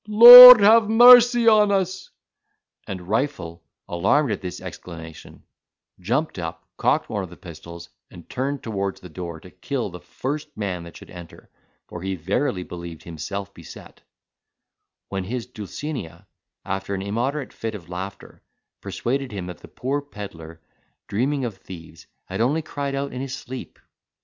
Lord have mercy upon us!" And Rifle, alarmed at this exclamation, jumped up, cocked one of his pistols, and turned towards the door to kill the first man that should enter; for he verily believed himself beset: when his Dulcinea, after an immoderate fit of laughter, persuaded him that the poor pedlar, dreaming of thieves, had only cried out in his sleep.